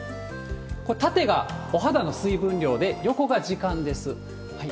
これ、縦がお肌の水分量で、横が時間です。